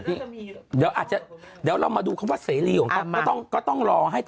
คุณแม่งว่ามันจะมีคนแพ้ไหม